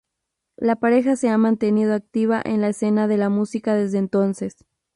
La pareja se ha mantenido activa en la escena de la música desde entonces.